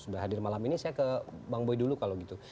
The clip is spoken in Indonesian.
sudah hadir malam ini saya ke bang boy dulu kalau gitu